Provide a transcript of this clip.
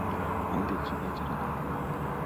আমি দেখছি, বাচ্চাটা দেও।